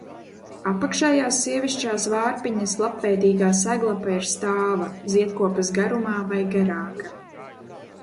Apakšējās sievišķās vārpiņas lapveidīgā seglapa ir stāva, ziedkopas garumā vai garāka.